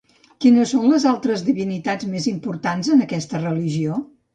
Quines són les altres divinitats més importants en aquesta religió?